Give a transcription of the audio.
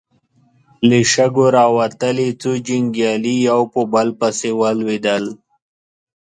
له شګو راوتلې څو جنګيالي يو په بل پسې ولوېدل.